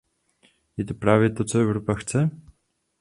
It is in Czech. Je to právě to, co Evropa chce?